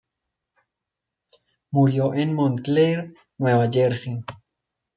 Murió en Montclair, Nueva Jersey.